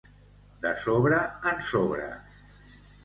De sobre en sobre.